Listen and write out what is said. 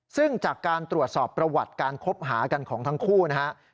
ซึ่งจากการตรวจสอบประวัติการคบหากันของทั้งคู่นะครับ